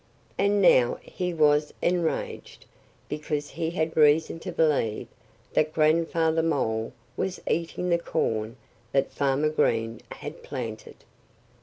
And now he was enraged because he had reason to believe that Grandfather Mole was eating the corn that Farmer Green had planted.